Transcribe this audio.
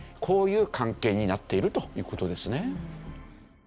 こういう関係になっているという事ですね。